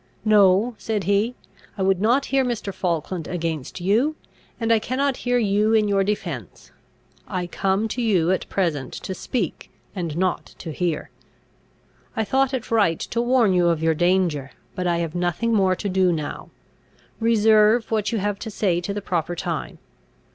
"No," said he; "I would not hear Mr. Falkland against you; and I cannot hear you in your defence. I come to you at present to speak, and not to hear. I thought it right to warn you of your danger, but I have nothing more to do now. Reserve what you have to say to the proper time.